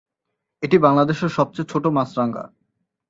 এটি বাংলাদেশের সবচেয়ে ছোট মাছরাঙা।